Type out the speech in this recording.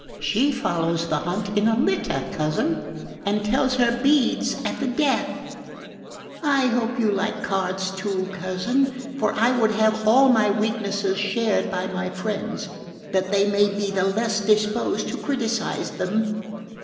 She follows the hunt in a litter, cousin, and tells her beads at the death! I hope you like cards too, cousin, for I would have all my weaknesses shared by my friends, that they may be the less disposed to criticise them."